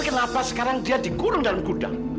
kenapa sekarang dia dikurung dalam gudang